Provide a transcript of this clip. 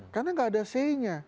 karena gak ada say nya